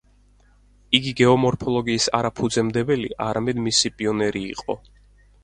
იგი გეომორფოლოგიის არა ფუძემდებელი, არამედ მისი პიონერი იყო.